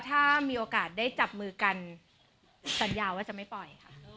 ถ้ามีโอกาสสัญญาว่าจะไม่ปล่อย